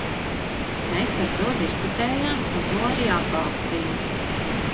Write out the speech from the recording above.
Mēs par to diskutējām, un to arī atbalstīja.